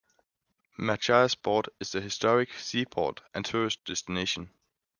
Machiasport is a historic seaport and tourist destination.